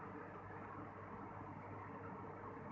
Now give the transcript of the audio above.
แต่ว่าจะเป็นแบบนี้